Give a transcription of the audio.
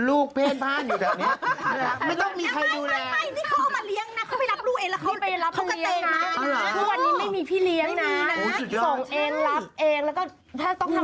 ลูกเพลงพ่างอยู่โดยแบบนี้